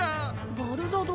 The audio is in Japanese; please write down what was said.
バルザド。